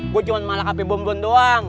gua cuma malah hp bombon doang